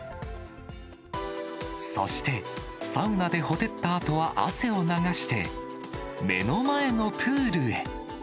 そして、サウナでほてったあとは、汗を流して、目の前のプールへ。